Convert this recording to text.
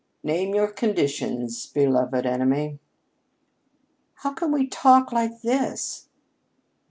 "Name your conditions, beloved enemy." "How can we talk like this?"